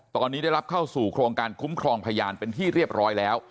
ตอนนี้ได้รับเข้าสู่โครงการคุ้มครองพยานเป็นที่เรียบร้อยแล้ว